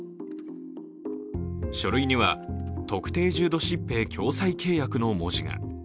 書類には特定重度疾病共済契約の文字が。